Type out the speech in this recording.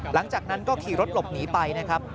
หลังจากนั้นก็ขี่รถหลบหนีไปนะครับ